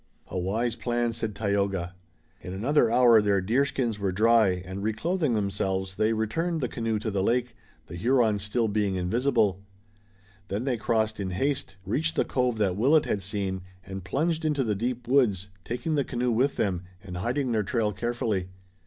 "A wise plan," said Tayoga. In another hour their deerskins were dry, and reclothing themselves they returned the canoe to the lake, the Hurons still being invisible. Then they crossed in haste, reached the cove that Willet had seen, and plunged into the deep woods, taking the canoe with them, and hiding their trail carefully.